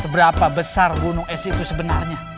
seberapa besar gunung es itu sebenarnya